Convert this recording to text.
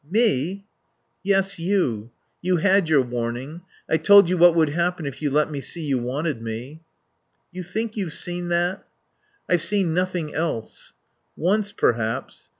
"Me?" "Yes, you. You had your warning. I told you what would happen if you let me see you wanted me." "You think you've seen that?" "I've seen nothing else." "Once, perhaps.